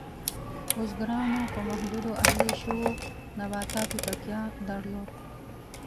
بزګرانو په محدودو اهلي شویو نباتاتو تکیه درلود.